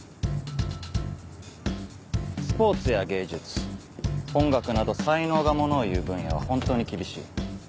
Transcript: スポーツや芸術音楽など才能がものをいう分野は本当に厳しい。